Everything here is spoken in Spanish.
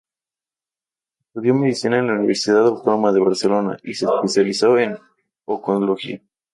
Estudió medicina en la Universidad Autónoma de Barcelona, y se especializó en oncología.